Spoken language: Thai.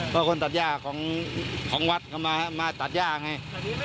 เพราะคนตัดย่าของวัดก็มาตัดย่าไง